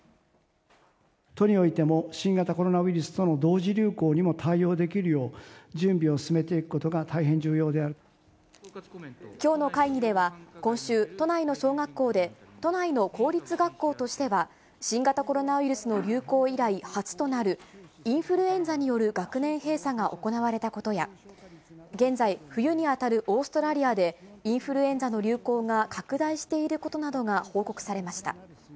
都においても、新型コロナウイルスとの同時流行にも対応できるよう、準備を進めていくことがきょうの会議では、今週、都内の小学校で、都内の公立学校としては、新型コロナウイルスの流行以来初となる、インフルエンザによる学年閉鎖が行われたことや、現在、冬に当たるオーストラリアで、インフルエンザの流行が拡大していることなどが報告されました。